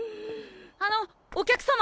あのお客様！